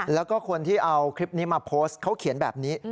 แล้วก็คนที่เอาคลิปนี้มาโพสต์เขาเขียนแบบนี้